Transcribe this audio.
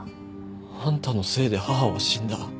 あんたのせいで母は死んだ。